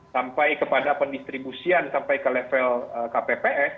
sampai kepada pendistribusian sampai ke level kpps